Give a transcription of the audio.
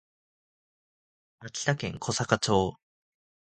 秋田県小坂町